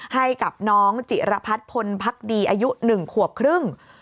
ให้กับน้องจิรพัฒน์พลพักดีอายุ๑ขวบครึ่ง